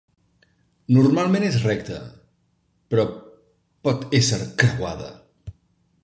Normalment és recta, però pot ésser creuada.